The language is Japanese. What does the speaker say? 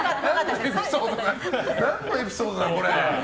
何のエピソードだ、これ。